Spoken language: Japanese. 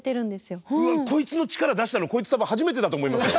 うわコイツの力出したのコイツ多分初めてだと思いますよ。